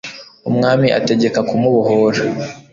umwami ategeka kumubohora